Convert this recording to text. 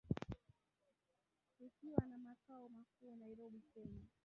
Tukiwa na Makao Makuu Nairobi Kenya